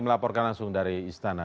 melaporkan langsung dari istana